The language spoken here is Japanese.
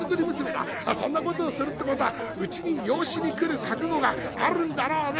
そんなことをするってことはうちに養子に来る覚悟があるんだろうね！』